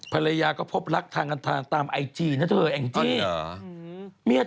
ภรรยาก็พบรักทางกันทางตามไอจีนะเธอแองจี้